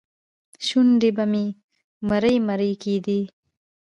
شونډې به مې مرۍ مرۍ کېدې.